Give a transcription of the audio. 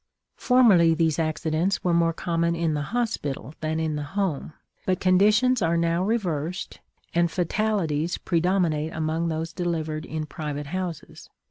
Formerly these accidents were more common in the hospital than in the home, but conditions are now reversed and fatalities predominate among those delivered in private houses.